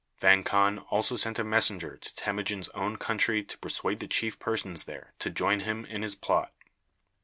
Vang Khan also sent a messenger to Temujin's own country to persuade the chief persons there to join him in his plot.